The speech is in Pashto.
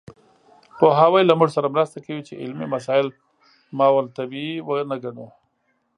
پوهاوی له موږ سره مرسته کوي چې علمي مسایل ماورالطبیعي ونه ګڼو.